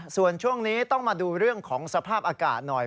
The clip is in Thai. ส่วนช่วงนี้ต้องมาดูเรื่องของสภาพอากาศหน่อย